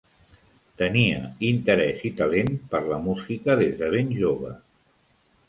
Tenia interès i talent per la música des de ben jove.